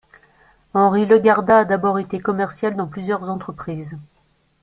Henri Legarda a d'abord été commercial dans plusieurs entreprises.